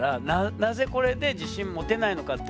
なぜこれで自信持てないのかって